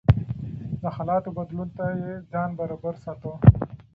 د حالاتو بدلون ته يې ځان برابر ساته.